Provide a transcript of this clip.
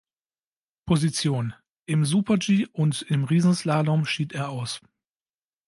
Position, im Super-G und im Riesenslalom schied er aus.